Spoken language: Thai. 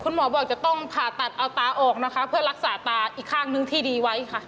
หมอบอกจะต้องผ่าตัดเอาตาออกนะคะเพื่อรักษาตาอีกข้างนึงที่ดีไว้ค่ะ